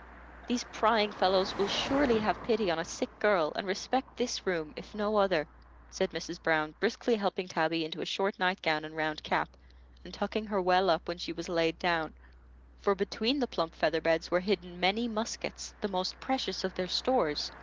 These prying fellows will surely have pity on a sick girl, and respect this room if no other," said Mrs. Brown, briskly helping Tabby into a short night gown and round cap, and tucking her well up when she was laid down, for between the plump feather beds were hidden many muskets, the most precious of their stores.